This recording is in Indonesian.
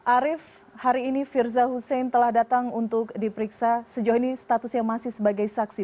arief hari ini firza husein telah datang untuk diperiksa sejauh ini statusnya masih sebagai saksi